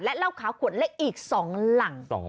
เหล้าขาวขวดเล็กอีก๒หลัง